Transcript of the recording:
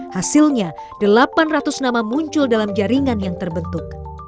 hasilnya delapan ratus nama muncul dalam jaringan yang terbentuk